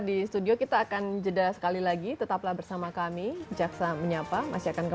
ini ini segala macam itu inilah yang